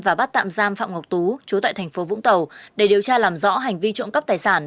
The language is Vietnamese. và bắt tạm giam phạm ngọc tú trú tại tp vũng tàu để điều tra làm rõ hành vi trộm cắp tài sản